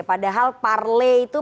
padahal parli itu